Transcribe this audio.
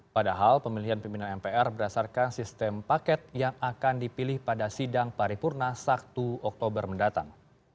padahal pemilihan pimpinan mpr berdasarkan sistem paket yang akan dipilih pada sidang paripurna satu oktober mendatang